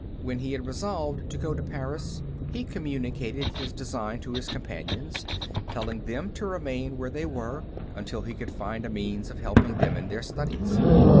When he had resolved to go to Paris, he communicated his design to his companions, telling them to remain where they were, until he could find a means of helping them in their studies.